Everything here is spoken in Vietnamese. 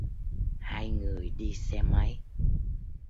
hai người đi xe máy